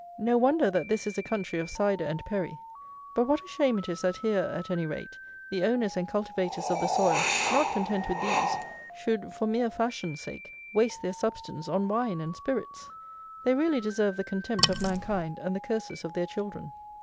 No wonder that this is a country of cider and perry; but what a shame it is that here, at any rate, the owners and cultivators of the soil, not content with these, should, for mere fashion's sake, waste their substance on wine and spirits! They really deserve the contempt of mankind and the curses of their children.